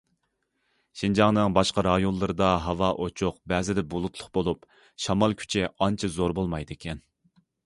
شىنجاڭنىڭ باشقا رايونلىرىدا ھاۋا ئوچۇق بەزىدە بۇلۇتلۇق بولۇپ، شامال كۈچى ئانچە زور بولمايدىكەن.